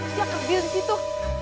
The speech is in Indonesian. siapa kabil disitu